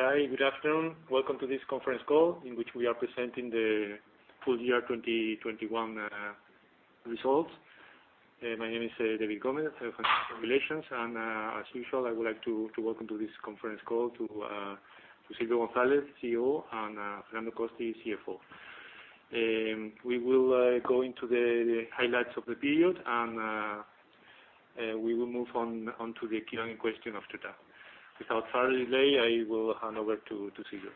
Hi, good afternoon. Welcome to this conference call, in which we are presenting the full year 2021 results. My name is David Gómez, Head of Investor Relations, and as usual, I would like to welcome to this conference call Silvio González, CEO, and Fernando Costi, CFO. We will go into the highlights of the period and we will move on to the Q&A after that. Without further delay, I will hand over to Silvio González.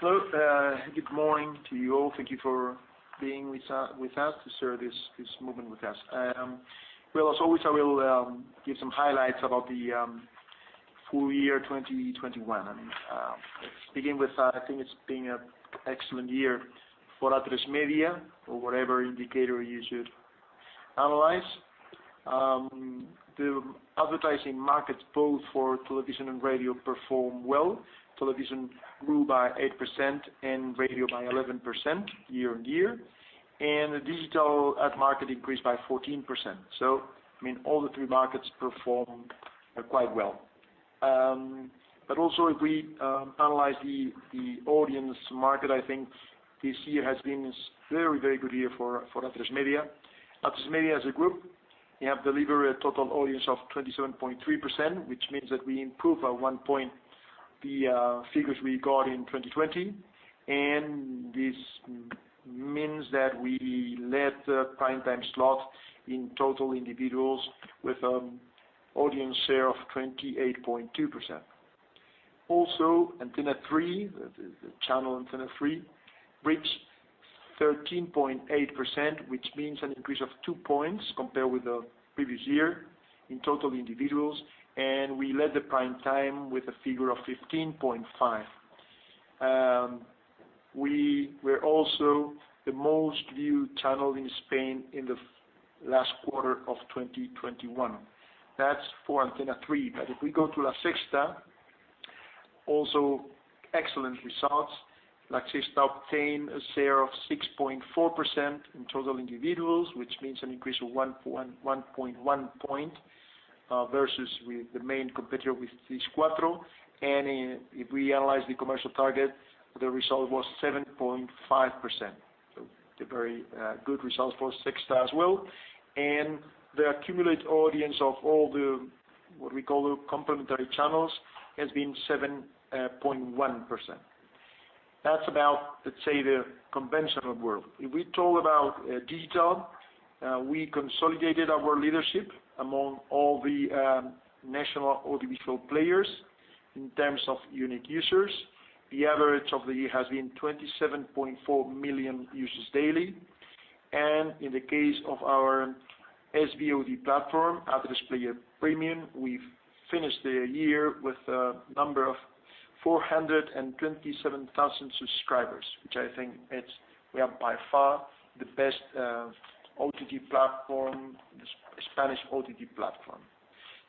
Hello. Good morning to you all. Thank you for being with us to share this moment with us. Well, as always, I will give some highlights about the full year 2021. Let's begin with, I think it's been an excellent year for Atresmedia or whatever indicator you should analyze. The advertising markets, both for television and radio, perform well. Television grew by 8% and radio by 11% year-over-year. The digital ad market increased by 14%. I mean, all the three markets performed quite well. But also if we analyze the audience market, I think this year has been this very, very good year for Atresmedia. Atresmedia as a group, we have delivered a total audience of 27.3%, which means that we improved by 1 point, the figures we got in 2020. This means that we led the prime time slot in total individuals with audience share of 28.2%. Also, Antena 3, the channel Antena 3, reached 13.8%, which means an increase of 2 points compared with the previous year in total individuals, and we led the prime time with a figure of 15.5. We were also the most viewed channel in Spain in the last quarter of 2021. That's for Antena 3. If we go to LaSexta, also excellent results. LaSexta obtained a share of 6.4% in total individuals, which means an increase of one point versus with the main competitor with this Cuatro. If we analyze the commercial target, the result was 7.5%. The very good results for LaSexta as well. The accumulated audience of all the, what we call the complementary channels, has been 7.1%. That's about, let's say, the conventional world. If we talk about digital, we consolidated our leadership among all the national audiovisual players in terms of unique users. The average of the year has been 27.4 million users daily. In the case of our SVOD platform, Atresplayer Premium, we've finished the year with a number of 427,000 subscribers, which I think we are by far the best OTT platform, the Spanish OTT platform.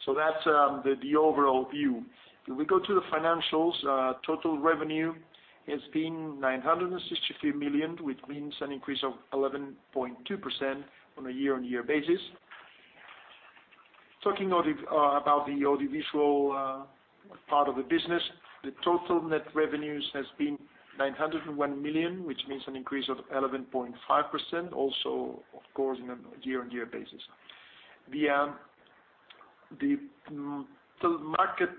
That's the overall view. If we go to the financials, total revenue has been 963 million, which means an increase of 11.2% on a year-on-year basis. Talking about the audiovisual part of the business, the total net revenues has been 901 million, which means an increase of 11.5% also, of course, in a year-on-year basis. The market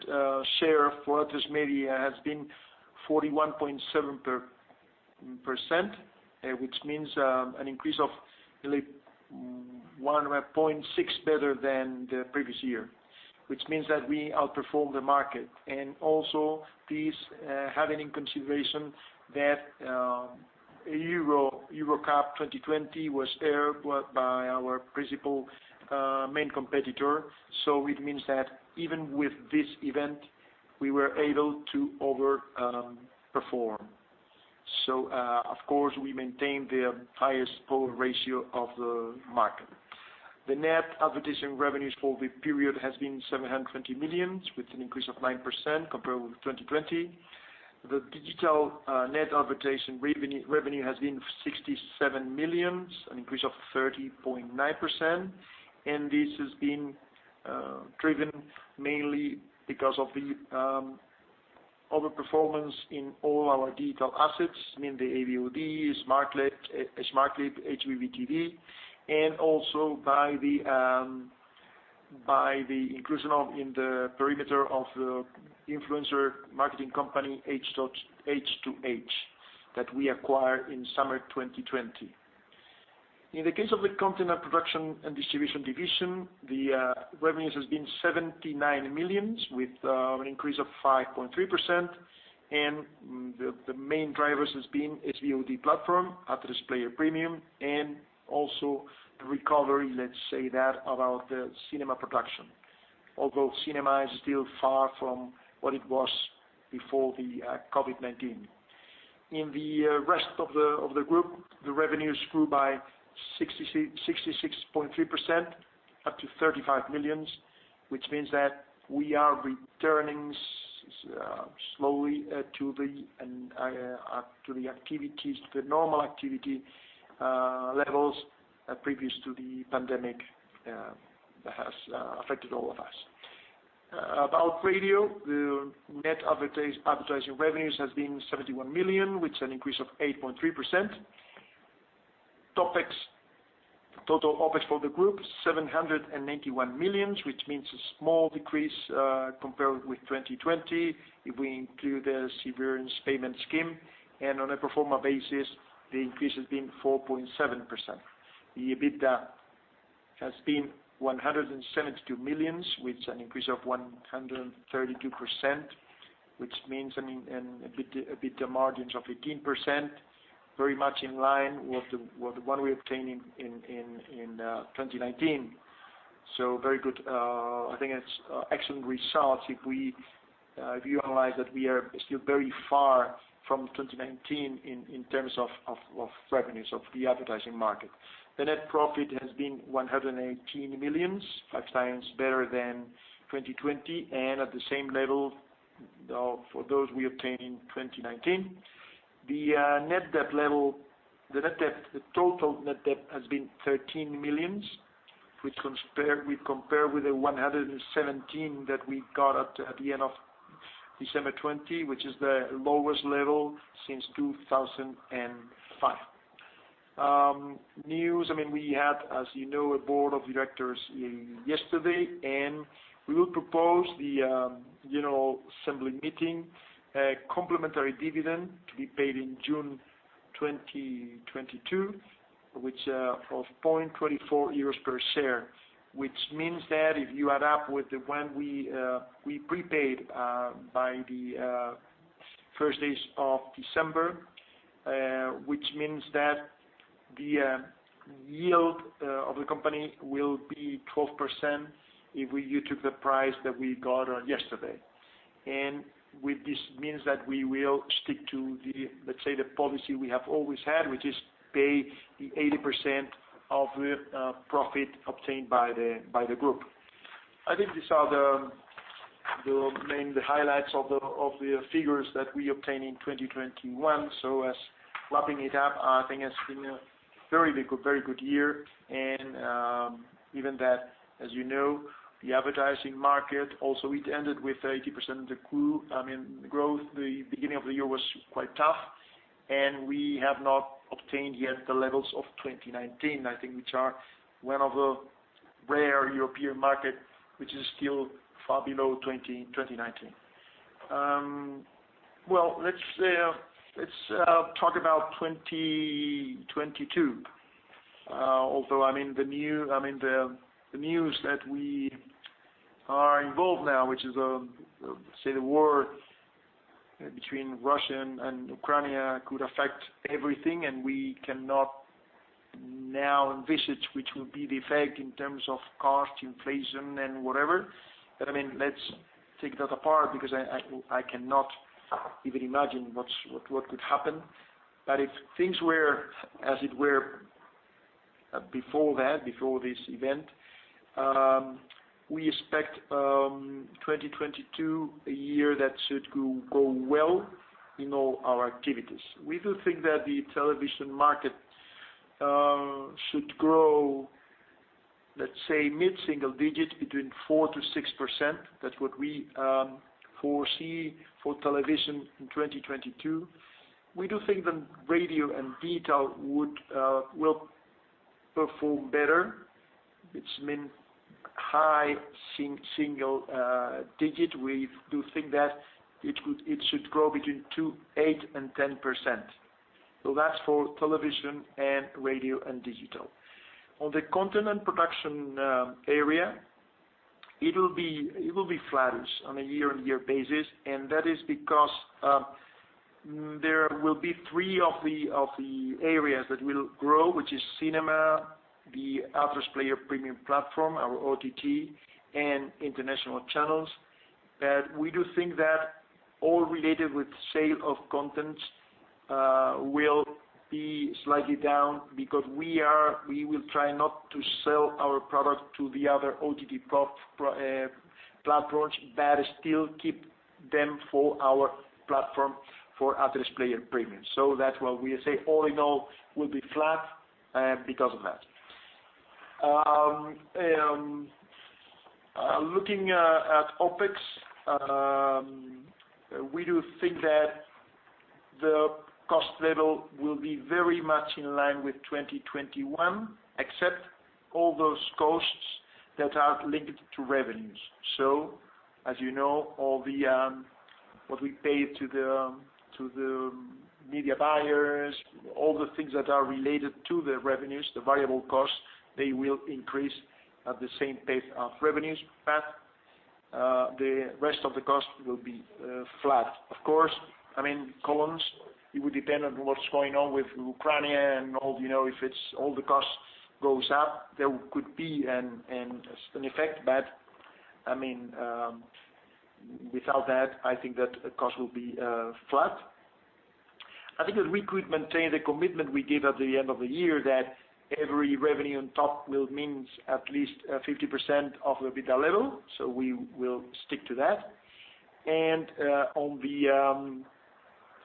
share for Atresmedia has been 41.7%, which means an increase of nearly 1.6 better than the previous year, which means that we outperformed the market. Also please, having in consideration that Euro Cup 2020 was aired by our principal main competitor. It means that even with this event, we were able to overperform. Of course, we maintained the highest share of the market. The net advertising revenues for the period has been 720 million with an increase of 9% compared with 2020. The digital net advertising revenue has been 67 million, an increase of 30.9%. This has been driven mainly because of the overperformance in all our digital assets, meaning the AVOD, SmartAd, Smartclip, HbbTV, and also by the inclusion of in the perimeter of the influencer marketing company, H2H, that we acquired in summer 2020. In the case of the content and production and distribution division, the revenues has been 79 million with an increase of 5.3%. The main drivers has been SVOD platform, Atresplayer Premium, and also the recovery, let's say that, about the cinema production. Although cinema is still far from what it was before the COVID-19. In the rest of the group, the revenues grew by 66.3% up to 35 million, which means that we are returning slowly to the activities, to the normal activity levels previous to the pandemic that has affected all of us. About radio, the net advertising revenues has been 71 million, which is an increase of 8.3%. OPEX, total OPEX for the group, 791 million, which means a small decrease compared with 2020 if we include the severance payment scheme. On a pro forma basis, the increase has been 4.7%. The EBITDA has been 172 million, which is an increase of 132%, which means EBITDA margins of 18%, very much in line with the one we obtained in 2019. Very good. I think it's excellent results if you analyze that we are still very far from 2019 in terms of revenues of the advertising market. The net profit has been 118 million, 5x better than 2020, and at the same level as those we obtained in 2019. The total net debt has been 13 million, which we compare with the 117 that we got at the end of December 2020, which is the lowest level since 2005. I mean, we had, as you know, a board of directors yesterday, and we will propose the assembly meeting a complementary dividend to be paid in June 2022, which of 0.24 euros per share. Which means that if you add up with the one we prepaid by the 1st days of December, which means that the yield of the company will be 12% if you took the price that we got yesterday. With this means that we will stick to the, let's say, the policy we have always had, which is pay the 80% of the profit obtained by the group. I think these are the main highlights of the figures that we obtained in 2021. As wrapping it up, I think it's been a very good year. Even though, as you know, the advertising market also ended with 80% of the growth. The beginning of the year was quite tough, and we have not obtained yet the levels of 2019, I think which are one of the rare European market which is still far below 2019. Let's talk about 2022. Although, I mean, the news that we are involved now, which is the war between Russia and Ukraine could affect everything, and we cannot now envisage which will be the effect in terms of cost, inflation, and whatever. I mean, let's take that apart because I cannot even imagine what could happen. If things were as it were before that, before this event, we expect 2022, a year that should go well in all our activities. We do think that the television market should grow, let's say, mid-single digits, 4%-6%. That's what we foresee for television in 2022. We do think that radio and digital will perform better, which means high single digit. We do think that it should grow between 8%-10%. That's for television and radio and digital. On the content production area, it will be flattish on a year-on-year basis, and that is because there will be 3 of the areas that will grow, which is cinema, the Atresplayer Premium platform, our OTT, and international channels. We do think that all related with sale of contents will be slightly down because we will try not to sell our product to the other OTT platforms, but still keep them for our platform, for Atresplayer Premium. That's why we say all in all will be flat because of that. Looking at OPEX, we do think that the cost level will be very much in line with 2021, except all those costs that are linked to revenues. As you know, all the what we pay to the media buyers, all the things that are related to the revenues, the variable costs, they will increase at the same pace of revenues. But the rest of the cost will be flat. Of course, I mean, commodities, it would depend on what's going on with Ukraine and all. You know, if all the costs go up, there could be an effect. I mean, without that, I think that the cost will be flat. I think that we could maintain the commitment we gave at the end of the year that every revenue on top will means at least 50% of EBITDA level, so we will stick to that.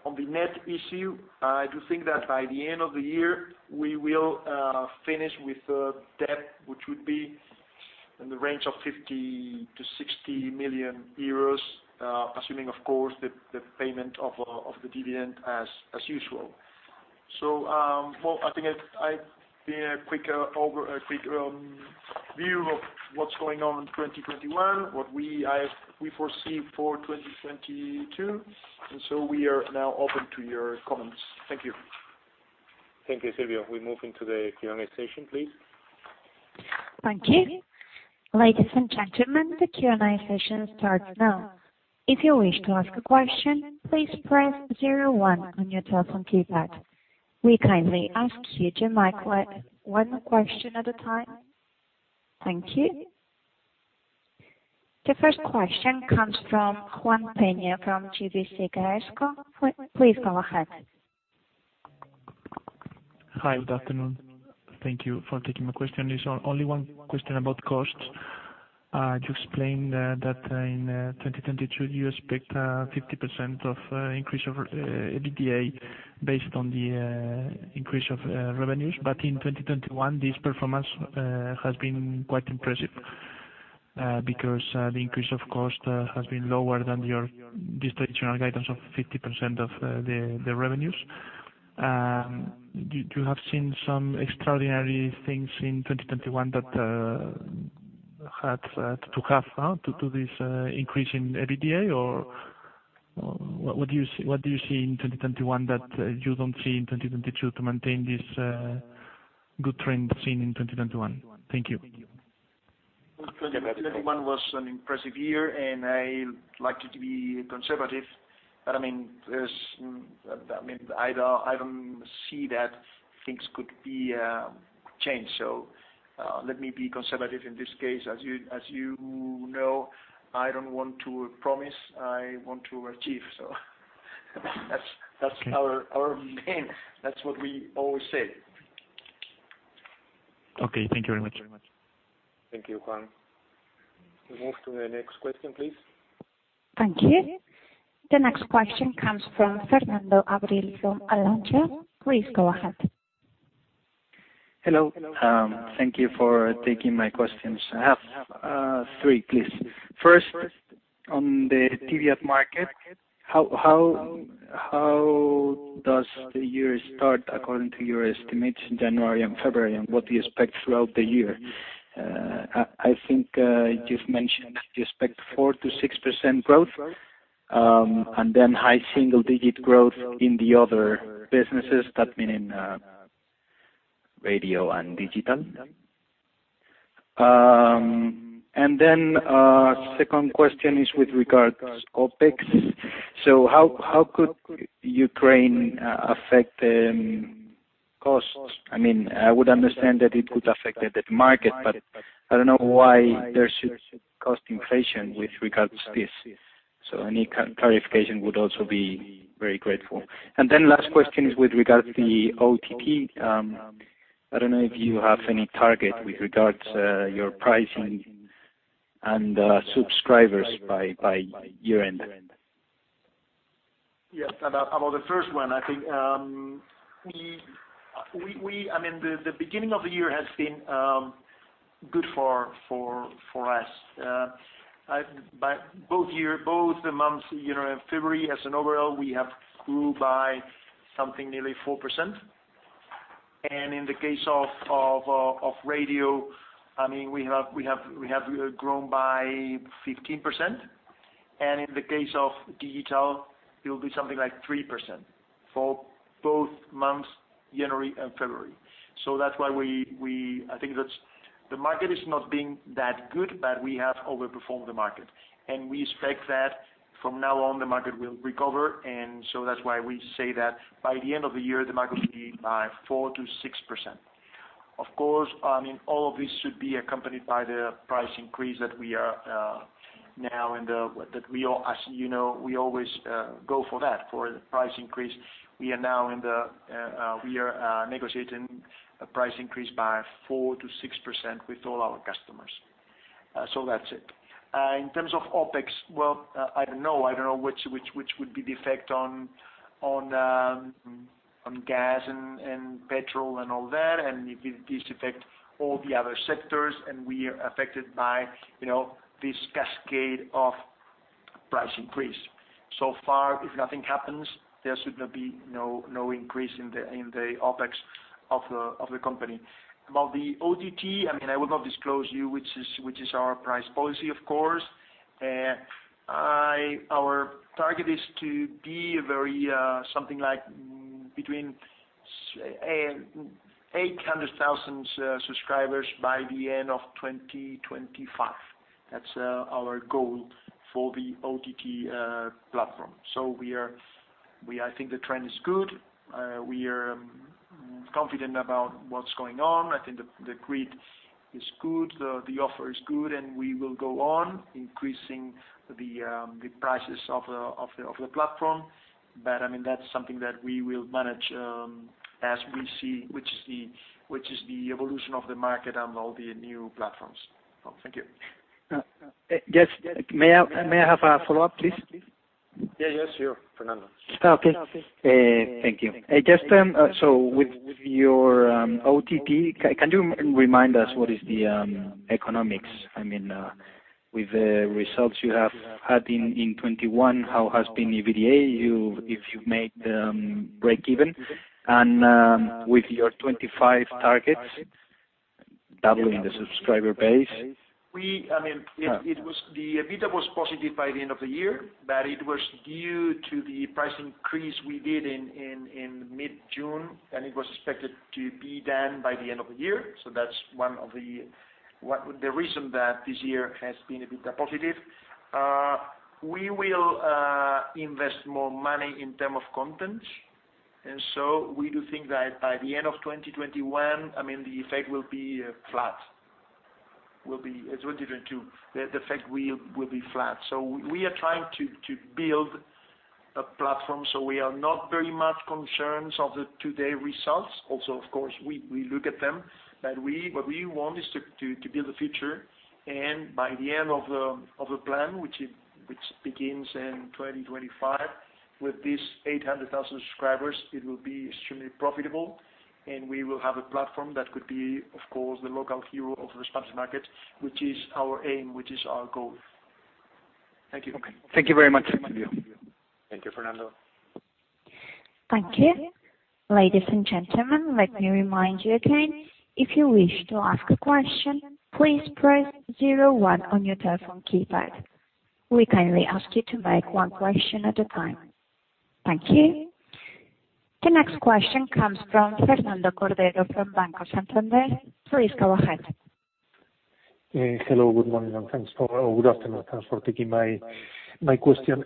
On the net issue, I do think that by the end of the year, we will finish with debt, which would be in the range of 50 million-60 million euros, assuming, of course, the payment of the dividend as usual. Well, I think I gave a quick view of what's going on in 2021, what we foresee for 2022, we are now open to your comments. Thank you. Thank you, Silvio. We move into the Q&A session, please. Thank you. Ladies and gentlemen, the Q&A session starts now. If you wish to ask a question, please press zero one on your telephone keypad. We kindly ask you to one question at a time. Thank you. The 1st question comes from Juan Peña from GVC Gaesco Beka. Please go ahead. Hi. Good afternoon. Thank you for taking my question. It's only one question about costs. You explained that in 2022, you expect 50% increase of EBITDA based on the increase of revenues. In 2021, this performance has been quite impressive because the increase of cost has been lower than your distributional guidance of 50% of the revenues. Have you seen some extraordinary things in 2021 that had to have to this increase in EBITDA, or what do you see in 2021 that you don't see in 2022 to maintain this good trend seen in 2021? Thank you. Well, 2021 was an impressive year, and I like it to be conservative. I mean, there's, I mean, I don't see that things could be changed. Let me be conservative in this case. As you know, I don't want to promise. I want to achieve. That's our Okay. Our thing. That's what we always say. Okay. Thank you very much. Thank you, Juan. We move to the next question, please. Thank you. The next question comes from Fernando Abril-Martorell from Alantra. Please go ahead. Hello. Thank you for taking my questions. I have 3, please. First, on the TV ad market, how does the year start according to your estimates in January and February and what do you expect throughout the year? I think you've mentioned you expect 4%-6% growth, and then high single-digit growth in the other businesses. That meaning, radio and digital. Then, 2nd question is with regards OPEX. How could Ukraine affect costs? I mean, I would understand that it could affect the market, but I don't know why there should cost inflation with regards this. Any clarification would also be very grateful. Then last question is with regards the OTT. I don't know if you have any target with regard to your pricing and subscribers by year-end. Yes. About the 1st one, I think I mean the beginning of the year has been good for us overall for both months, you know, January and February. We have grew by nearly 4%. In the case of radio, I mean we have grown by 15%. In the case of digital, it will be something like 3% for both months, January and February. That's why I think the market is not being that good, but we have overperformed the market. We expect that from now on, the market will recover. That's why we say that by the end of the year, the market will grow by 4%-6%. Of course, I mean, all of this should be accompanied by the price increase that we all, as you know, we always go for that, for the price increase. We are negotiating a price increase by 4%-6% with all our customers. That's it. In terms of OpEx, well, I don't know which would be the effect on gas and petrol and all that, and if it does affect all the other sectors, and we are affected by, you know, this cascade of price increase. So far, if nothing happens, there should not be no increase in the OpEx of the company. About the OTT, I mean, I will not disclose to you which is our price policy, of course. Our target is to be very something like 800,000 subscribers by the end of 2025. That's our goal for the OTT platform. I think the trend is good. We are confident about what's going on. I think the growth is good, the offer is good, and we will go on increasing the prices of the platform. I mean, that's something that we will manage as we see the evolution of the market and all the new platforms. Thank you. Yes. May I have a follow-up, please? Yeah. Yes, sure, Fernando. I guess with your OTT, can you remind us what is the economics? I mean, with the results you have had in 2021, how has been EBITDA, if you've made breakeven and with your 2025 targets doubling the subscriber base. I mean, it was the EBITDA was positive by the end of the year. It was due to the price increase we did in mid-June, and it was expected to be done by the end of the year. That's one of the reasons that this year has been EBITDA positive. We will invest more money in terms of content. We do think that by the end of 2021, I mean, the effect will be flat. As we're indifferent to the effect, it will be flat. We are trying to build a platform, so we are not very much concerned about today's results. Also, of course, we look at them, but what we want is to build the future. By the end of the plan, which begins in 2025, with these 800,000 subscribers, it will be extremely profitable. We will have a platform that could be, of course, the local hero of the Spanish market, which is our aim, which is our goal. Thank you. Okay. Thank you very much. Thank you. Thank you, Fernando. Thank you. Ladies and gentlemen, let me remind you again. If you wish to ask a question, please press zero 1 on your telephone keypad. We kindly ask you to make one question at a time. Thank you. The next question comes from Fernando Cordero from Banco Santander. Please go ahead. Hello, good morning, and thanks, or good afternoon. Thanks for taking my question.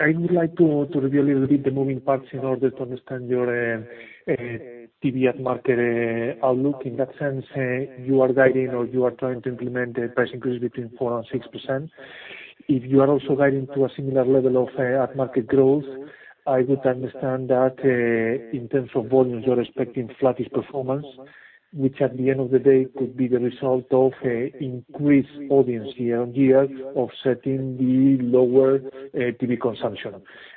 I would like to review a little bit the moving parts in order to understand your TV ad market outlook. In that sense, you are guiding or you are trying to implement a price increase between 4% and 6%. If you are also guiding to a similar level of ad market growth, I would understand that in terms of volumes, you're expecting flattish performance. Which at the end of the day could be the result of increased audience year-on-year offsetting the lower TV consumption.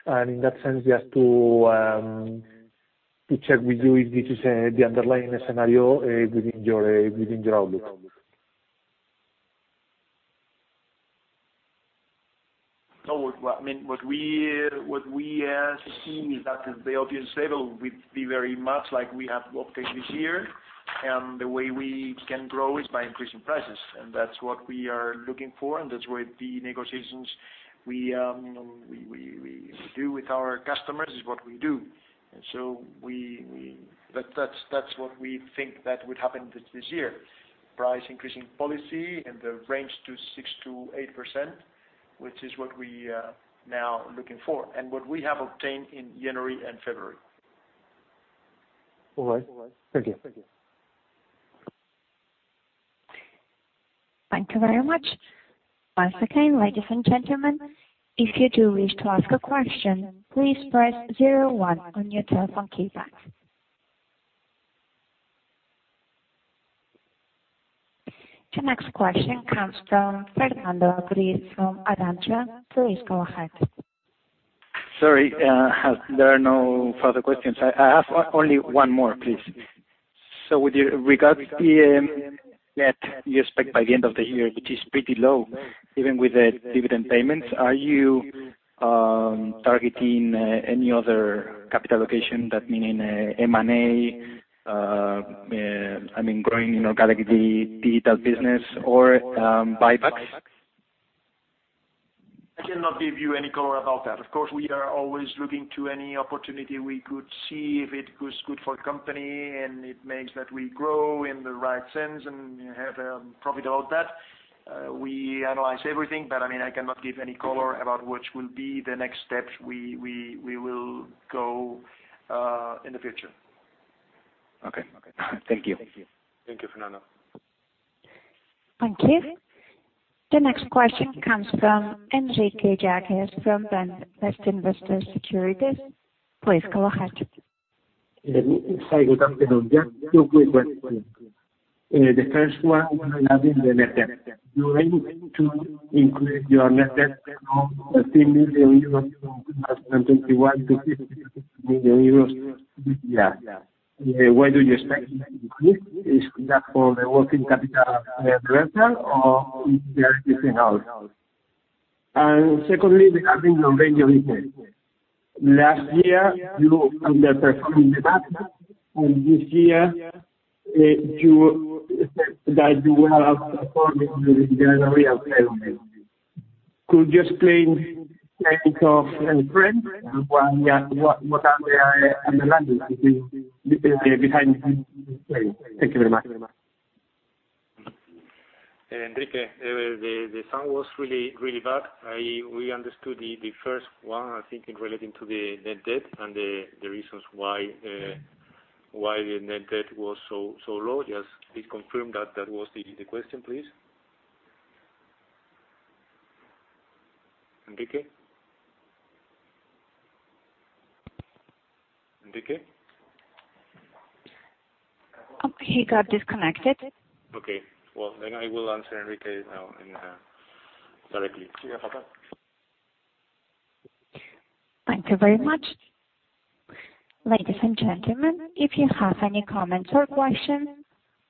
In that sense, just to check with you if this is the underlying scenario within your outlook. No. I mean, what we see is that the audience level will be very much like we have obtained this year. The way we can grow is by increasing prices. That's what we are looking for, and that's where the negotiations we do with our customers is what we do. But that's what we think that would happen this year. Price increasing policy in the range of 6%-8%, which is what we now are looking for and what we have obtained in January and February. All right. Thank you. Thank you very much. Once again, ladies and gentlemen, if you do wish to ask a question, please press zero 1 on your telephone keypad. The next question comes from Fernando Abril-Martorell from Alantra. Please go ahead. Sorry, there are no further questions. I have only one more, please. With regards to the net debt you expect by the end of the year, which is pretty low, even with the dividend payments. Are you targeting any other capital allocation that, meaning M&A? I mean growing organically the digital business or buybacks? I cannot give you any color about that. Of course, we are always looking to any opportunity we could see if it was good for the company, and it makes that we grow in the right sense and have profit out that. We analyze everything, but I mean, I cannot give any color about which will be the next steps we will go in the future. Okay. Thank you. Thank you, Fernando. Thank you. The next question comes from Enrique Yáguez from Bestinver Securities. Please go ahead. Hi. Good afternoon. Just 2 quick questions. The first one regarding the net debt. You aim to increase your net debt from EUR 13 million in 2021 to 15 million euros this year. Where do you expect it to increase? Is that for the working capital, rental or is there anything else? Secondly, regarding NAR. Last year you underperformed the market, and this year you said that you will outperform it in January and February. Could you explain why you think of any trends and what are the underlying reasons behind this claim? Thank you very much. Enrique, the sound was really bad. We understood the 1st one, I think, in relating to the net debt and the reasons why the net debt was so low. Just please confirm that was the question, please. Enrique? Enrique? Oh, he got disconnected. Okay. Well, I will answer Enrique now and directly. Yeah. No problem. Thank you very much. Ladies and gentlemen, if you have any comments or questions,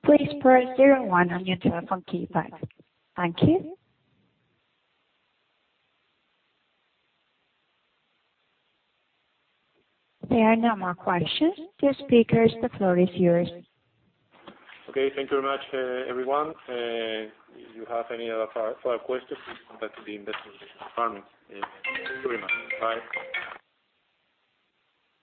please press zero one on your telephone keypad. Thank you. There are no more questions. Dear speakers, the floor is yours. Okay. Thank you very much, everyone. If you have any other further questions, please contact the Investor Relations Department. Thank you very much. Bye.